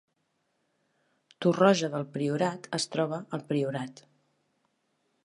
Torroja del Priorat es troba al Priorat